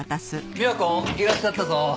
美和子いらっしゃったぞ。